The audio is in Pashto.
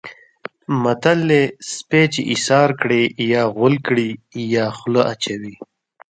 متل دی: سپی چې ایسار کړې یا غول کړي یا خوله اچوي.